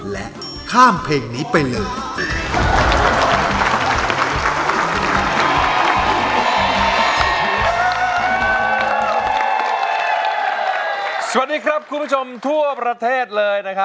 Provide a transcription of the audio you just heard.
และข้ามเพลงนี้ไปเลย